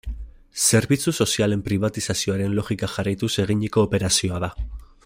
Zerbitzu sozialen pribatizazioaren logika jarraituz eginiko operazioa da.